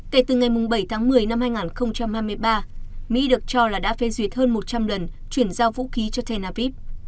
kể từ ngày bảy tháng một mươi năm hai nghìn hai mươi ba mỹ được cho là đã phê duyệt hơn một trăm linh lần chuyển giao vũ khí cho tel aviv